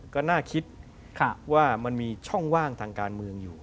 ก็น่าคิดว่ามันมีช่องว่างทางการเมืองอยู่